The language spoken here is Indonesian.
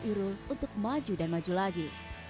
irul untuk maju dan maju lagi